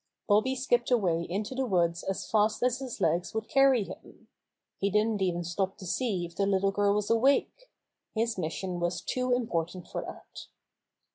Bobby skipped away into the woods as fast as his legs would carry him. He didn^t even stop to see if the little girl was awake. His mission was too important for that.